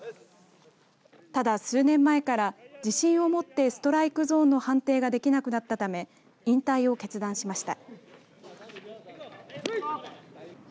ただ、数年前から自信を持ってストライクゾーンの判定ができなくなったため引退を決断しました。